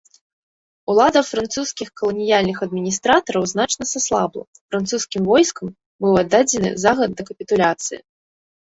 Улада французскіх каланіяльных адміністратараў значна саслабла, французскім войскам быў аддадзены загад да капітуляцыі.